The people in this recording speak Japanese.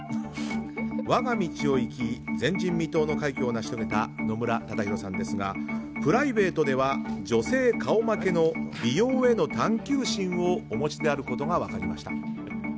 我が道を行き、前人未到の快挙を成し遂げた野村忠宏さんですがプライベートでは女性顔負けの美容への探求心をお持ちであることが分かりました。